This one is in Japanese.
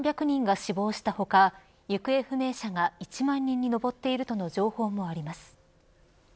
５３００人が死亡した他行方不明者が１万人に上っているとの情報もあります。